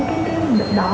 cái đỏ đó bớt đỏ đó ra